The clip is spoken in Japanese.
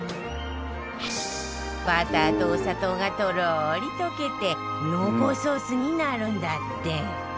バターとお砂糖がとろり溶けて濃厚ソースになるんだって